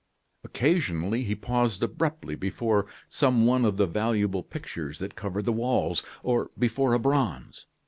Occasionally, he paused abruptly before some one of the valuable pictures that covered the walls, or before a bronze.